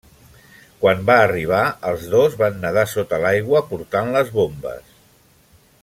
Quan van arribar, els dos van nedar sota l'aigua portant les bombes.